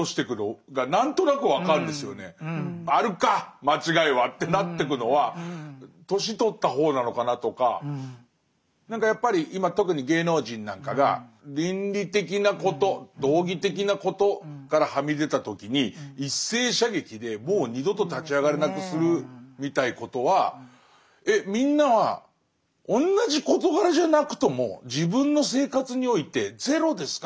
「あるか間違いは」ってなってくのは年取った方なのかなとか何かやっぱり今特に芸能人なんかが倫理的なこと道義的なことからはみ出た時に一斉射撃でもう二度と立ち上がれなくするみたいなことはみんなは同じ事柄じゃなくとも自分の生活においてゼロですか？